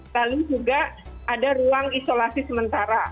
lalu juga ada ruang isolasi sementara